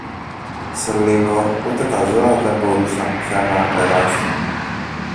Σε λίγο ούτε τα ζώα δεν μπορούσαν πια να περάσουν.